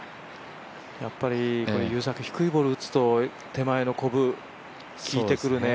やっぱり優作、低いボールを打つと、手前のこぶ、聞いてくるね。